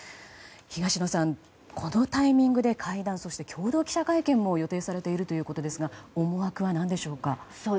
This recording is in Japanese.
東野さん、このタイミングで会談共同記者会見も予定されているということですが思惑は何でしょうか。